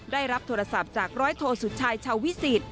ได้รับโทรศัพท์จากร้อยโทสุชายชาววิสิต